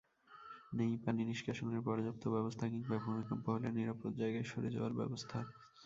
নেই পানিনিষ্কাশনের পর্যাপ্ত ব্যবস্থা কিংবা ভূমিকম্প হলে নিরাপদ জায়গায় সরে যাওয়ার ব্যবস্থা।